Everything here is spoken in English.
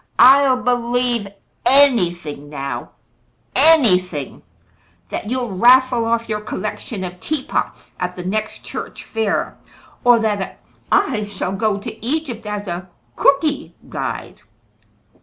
"I'll believe anything now anything: that you'll raffle off your collection of teapots at the next church fair, or that I shall go to Egypt as a 'Cooky' guide.